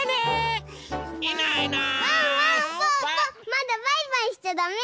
まだバイバイしちゃだめ！